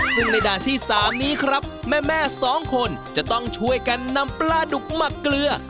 ซึ่งในด่านที่๓นี้ครับแม่สองคนจะต้องช่วยกันนำปลาดุกหมักเกลือ